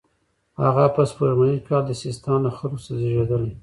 هغه په سپوږمیز کال کې د سیستان له خلکو څخه زیږېدلی.